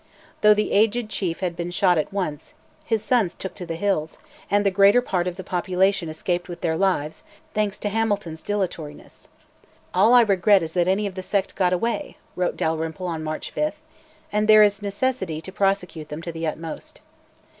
Though the aged chief had been shot at once, his sons took to the hills, and the greater part of the population escaped with their lives, thanks to Hamilton's dilatoriness. "All I regret is that any of the sect got away," wrote Dalrymple on March 5, "and there is necessity to prosecute them to the utmost."